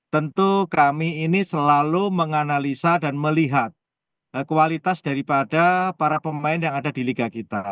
tentu kami ini selalu menganalisa dan melihat kualitas daripada para pemain yang ada di liga kita